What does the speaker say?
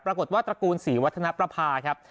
ปรากฏว่าตระกูลศรีวัฒนประภาครับ